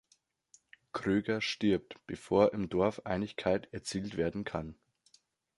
Kröger stirbt, bevor im Dorf Einigkeit erzielt werden kann.